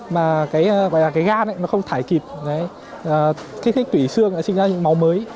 mà cái gan nó không thải kịp cái thích tủy xương sẽ sinh ra những máu mới